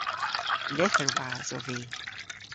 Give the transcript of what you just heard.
Lytherwas ov vy.